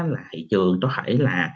là thị trường có thể là